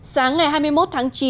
sáng ngày hai mươi một tháng chín